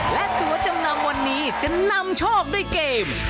และตัวจำนำวันนี้จะนำโชคด้วยเกม